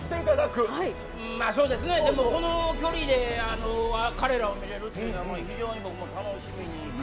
この距離で彼らを見れるていうのは非常に楽しみ。